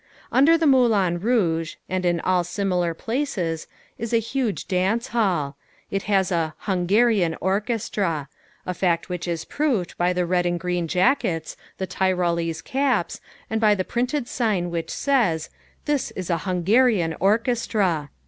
Under the Moulin Rouge, and in all similar places, is a huge dance hall: It has a "Hungarian Orchestra" a fact which is proved by the red and green jackets, the tyrolese caps, and by the printed sign which says, "This is a Hungarian Orchestra."